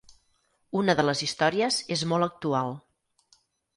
Una de les històries és molt actual.